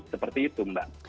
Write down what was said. seperti itu mbak